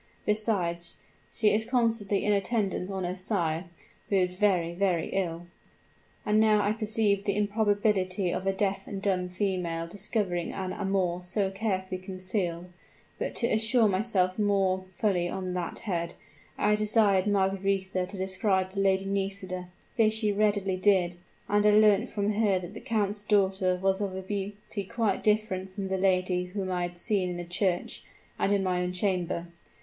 Besides she is constantly in attendance on her sire, who is very, very ill. "I now perceived the improbability of a deaf and dumb female discovering an amour so carefully concealed; but to assure myself more fully on that head, I desired Margaretha to describe the Lady Nisida. This she readily did, and I learnt from her that the count's daughter was of a beauty quite different from the lady whom I had seen in the church and in my own chamber.